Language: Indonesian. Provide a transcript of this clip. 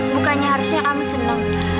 bukannya harusnya kamu senang